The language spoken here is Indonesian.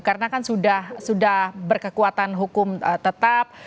karena kan sudah berkekuatan hukum tetap